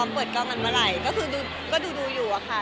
เปิดเกาะมันเมื่อไหร่ก็คือดูก็ดูดูอยู่อะค่ะ